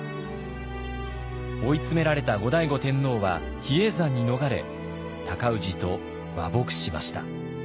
追い詰められた後醍醐天皇は比叡山に逃れ尊氏と和睦しました。